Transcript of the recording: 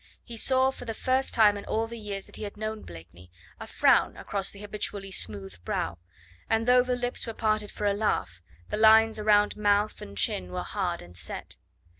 He saw for the first time in all the years that he had known Blakeney a frown across the habitually smooth brow, and though the lips were parted for a laugh, the lines round mouth and chin were hard and set.